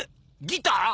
ギター？